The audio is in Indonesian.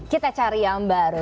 kita cari yang baru